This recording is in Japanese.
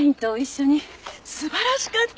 素晴らしかったです。